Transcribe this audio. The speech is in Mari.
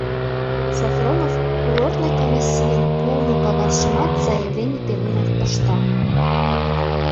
Софронов курортный комиссийын пуымо кагазшымат заявлений пеленак пышта.